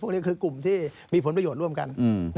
นี่คือกลุ่มที่มีผลประโยชน์ร่วมกัน